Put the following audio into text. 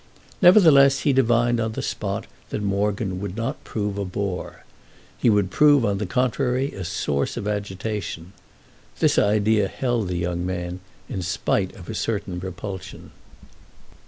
Nevertheless he divined on the spot that Morgan wouldn't prove a bore. He would prove on the contrary a source of agitation. This idea held the young man, in spite of a certain repulsion.